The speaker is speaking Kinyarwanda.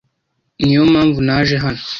Niyo mpamvu naje hano